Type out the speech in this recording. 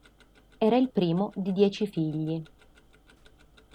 Era il primo di dieci figli.